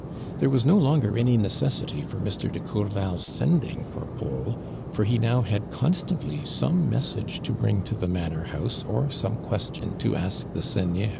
There was no longer any necessity for Mr. de Courval's sending for Paul, for he now had constantly some message to bring to the manor house, or some question to ask the seigneur.